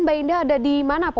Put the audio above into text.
mbak indah berada di jakarta